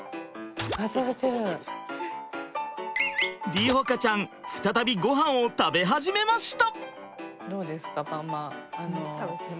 梨穂花ちゃん再びごはんを食べ始めました！